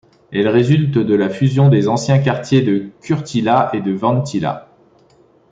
Il résulte de la fusion des anciens quartiers de Kurttila et de Vanttila.